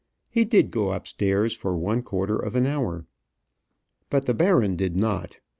He did go upstairs, for one quarter of an hour. But the baron did not.